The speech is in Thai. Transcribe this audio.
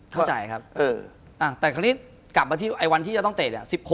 เข้าใจครับแต่คราวนี้กลับมาที่ไอวันที่จะต้องเตะเนี่ย